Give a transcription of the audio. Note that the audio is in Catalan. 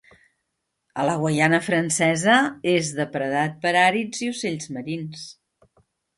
A la Guaiana Francesa és depredat per àrids i ocells marins.